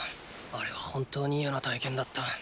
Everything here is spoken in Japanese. あれは本当に嫌な体験だった。